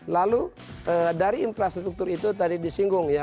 lalu dari infrastruktur itu tadi disinggung ya